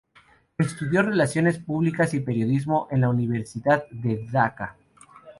Estudió relaciones públicas y periodismo en la Universidad de Dhaka.